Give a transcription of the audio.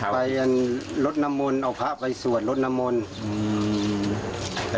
ไปรถนำมนต์เอาพระไปสวดรถนำมนต์